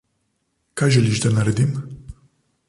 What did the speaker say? Kaj želiš, da naredim?